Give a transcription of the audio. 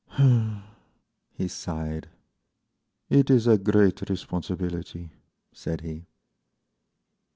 He sighed. "It is a great responsibility," said he.